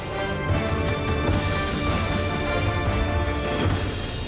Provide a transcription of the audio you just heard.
โปรดติดตามตอนต่อไป